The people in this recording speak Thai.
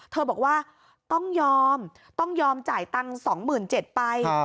บอกว่าต้องยอมต้องยอมจ่ายตังค์๒๗๐๐ไป